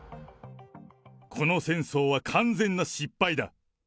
この戦争は完全な失敗だ。